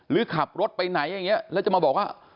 หรือขับรถไปไหนอย่างนี้แล้วจะมาบอกว่า